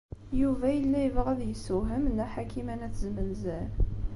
Yuba yella yebɣa ad yessewhem Nna Ḥakima n At Zmenzer.